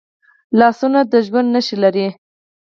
لاسونه د ژوند نښې لري